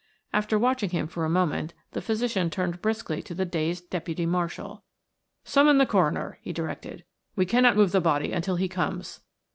After watching him for a moment the physician turned briskly to the dazed deputy marshal. "Summon the coroner," he directed. "We cannot move the body until he comes."